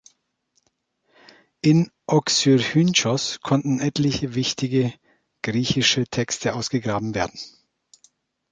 In Oxyrhynchos konnten etliche wichtige griechische Texte ausgegraben werden.